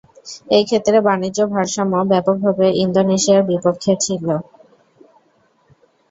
এই ক্ষেত্রে বাণিজ্য ভারসাম্য ব্যাপকভাবে ইন্দোনেশিয়ার পক্ষে ছিল।